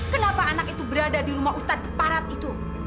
kenapa anak itu berada di rumah ustadz parat itu